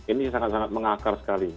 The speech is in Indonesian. ini sangat sangat mengakar sekali